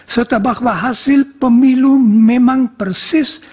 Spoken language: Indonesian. serta bahwa hasil pemilu memang persis